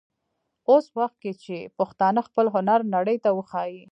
اوس وخت دی چې پښتانه خپل هنر نړۍ ته وښايي.